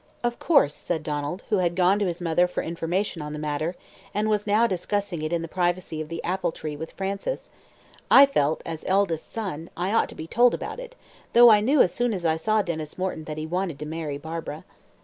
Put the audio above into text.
"Of course," said Donald, who had gone to his mother for information on the matter, and was now discussing it in the privacy of the apple tree with Frances, "I felt, as eldest son, I ought to be told about it, though I knew as soon as I saw Denys Morton that he wanted to marry Barbara."